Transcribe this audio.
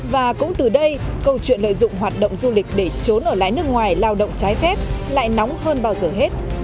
và cũng từ đây câu chuyện lợi dụng hoạt động du lịch để trốn ở lái nước ngoài lao động trái phép lại nóng hơn bao giờ hết